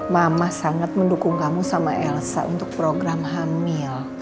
mama sangat mendukung kamu sama elsa untuk program hamil